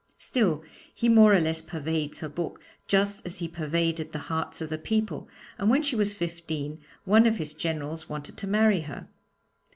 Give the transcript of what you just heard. Still, he more or less pervades her book just as he pervaded the hearts of the people, and when she was fifteen one of his generals wanted to marry her.